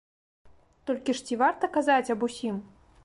Толькі ж ці варта казаць аб усім?